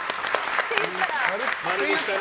○って言ったら。